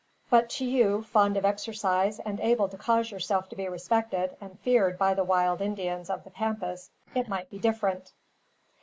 But to you, fond of exercise, and able to cause yourself to be respected, and feared, by the wild Indians of the Pampas, it might be different.